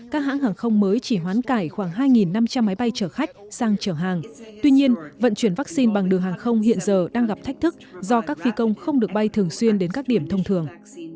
các hãng hàng không mới chỉ hoán cải khoảng hai năm trăm linh máy bay chở khách sang chở hàng tuy nhiên vận chuyển vaccine bằng đường hàng không hiện giờ đang gặp thách thức do các phi công không được bay thường xuyên đến các điểm thông thường